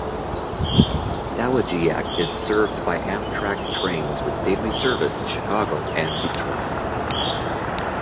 Dowagiac is served by Amtrak trains with daily service to Chicago and Detroit.